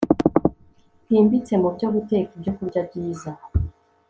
bwimbitse mu byo guteka ibyokurya byiza